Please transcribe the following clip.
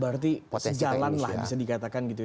berarti sejalan lah bisa dikatakan gitu ya